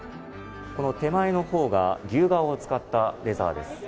手前の方が牛皮を使ったレザーです。